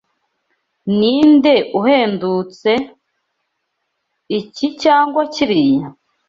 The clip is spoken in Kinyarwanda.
Ninde uhendutse, iki cyangwa kiriya?